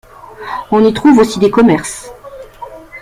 On y trouve aussi des commerces.